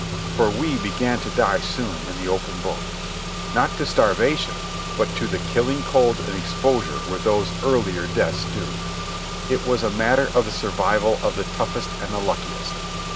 For we began to die soon in the open boat. Not to starvation but to the killing cold and exposure were those earlier deaths due. It was a matter of the survival of the toughest and the luckiest.